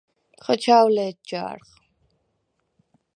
ხოჩა̄ვ ლე̄თ ჯა̄რხ!